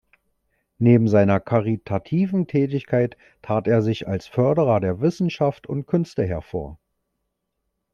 Neben seiner karitativen Tätigkeit tat er sich als Förderer der Wissenschaft und Künste hervor.